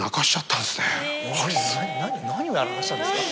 何をやらかしたんですか？